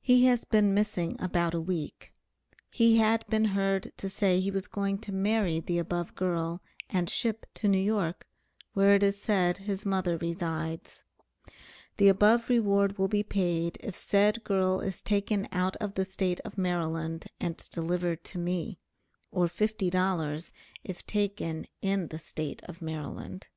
He has been missing about a week; he had been heard to say he was going to marry the above girl and ship to New York, where it is said his mother resides. The above reward will be paid if said girl is taken out of the State of Maryland and delivered to me; or fifty dollars if taken in the State of Maryland.